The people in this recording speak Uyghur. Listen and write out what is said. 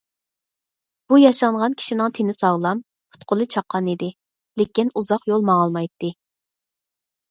بۇ ياشانغان كىشىنىڭ تېنى ساغلام، پۇت- قولى چاققان ئىدى، لېكىن ئۇزاق يول ماڭالمايتتى.